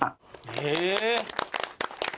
え。